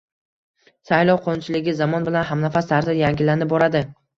Saylov qonunchiligi zamon bilan hamnafas tarzda yangilanib boradi